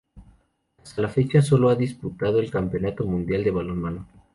Hasta la fecha solo ha disputado el Campeonato Mundial de Balonmano.